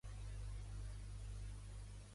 El president de Catalunya anirà a veure el partit?